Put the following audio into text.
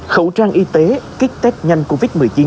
khẩu trang y tế kích tết nhanh covid một mươi chín